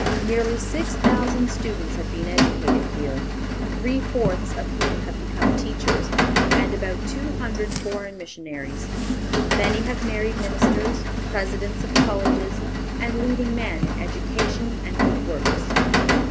Nearly six thousand students have been educated here, three fourths of whom have become teachers, and about two hundred foreign missionaries. Many have married ministers, presidents of colleges, and leading men in education and good works.